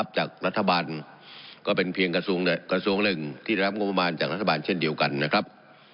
ก็กลับเรียนไปแล้วนะครับ